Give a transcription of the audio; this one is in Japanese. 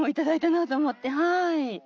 はい。